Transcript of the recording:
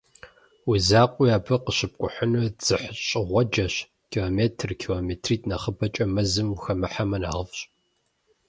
Уи закъуэуи абы къыщыпкӀухьыну дзыхьщӀыгъуэджэщ: километр, километритӀ нэхъыбэкӀэ мэзым ухэмыхьэмэ нэхъыфӀщ.